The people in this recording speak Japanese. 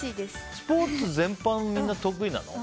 スポーツ全般みんな、得意なの？